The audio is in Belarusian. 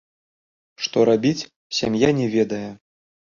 Што рабіць, сям'я не ведае.